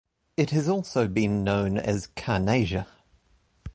It has also been known as "Carnaysia".